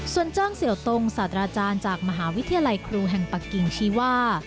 ส่วนเจ้างเสี่ยวตรงสัตว์ราชาญจากมหาวิทยาลัยครูแห่งปะกิงชื่อว่า